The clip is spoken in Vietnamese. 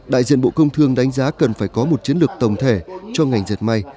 đại diện bộ công thương đánh giá cần phải có một chiến lược tổng thể cho ngành diệt may